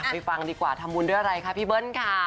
ฟังดีกว่าทำบุญด้วยอะไรคะพี่เบิ้ลค่ะ